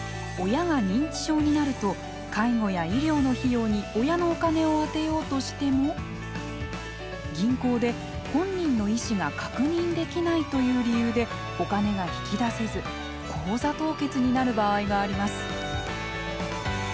親が認知症になると介護や医療の費用に親のお金を充てようとしても銀行で、「本人の意思が確認できない」という理由でお金が引き出せず口座凍結になる場合があります。